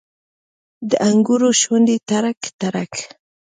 د انګورو شونډې ترک، ترک